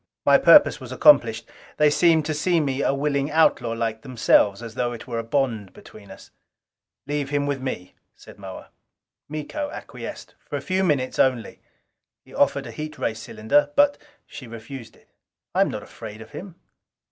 My purpose was accomplished. They seemed to see me a willing outlaw like themselves. As though it were a bond between us. "Leave me with him," said Moa. Miko acquiesced. "For a few minutes only." He proffered a heat ray cylinder but she refused it. "I am not afraid of him."